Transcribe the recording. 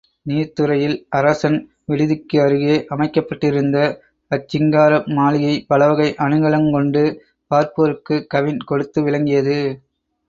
நீர்த் துறையில் அரசன் விடுதிக்கு அருகே அமைக்கப்பட்டிருந்த அச்சிங்கார மாளிகை பலவகை அணிகளுங்கொண்டு பார்ப்போர்க்குக் கவின் கொடுத்து விளங்கியது.